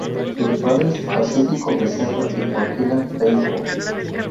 Sus Padres, Pacífico Becerra y Joaquina Feijóo.